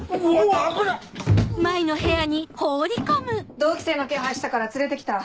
同期生の気配したから連れて来た。